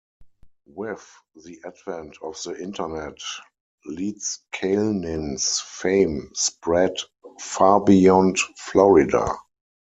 With the advent of the Internet, Leedskalnin's fame spread far beyond Florida.